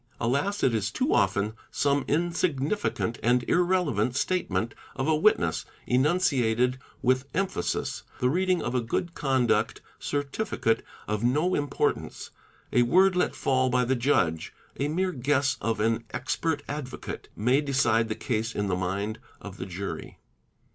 Alas, it is too often some insignificant and irrelevant statement of a witness, enunciated with emphasis; the reading of a good conduct ce tificate of no importance, a word let fall by the judge, a mere guess of ar expert advocate, may decide the case in the mind of the jury.